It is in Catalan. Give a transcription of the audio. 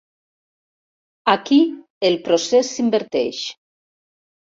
Aquí el procés s'inverteix.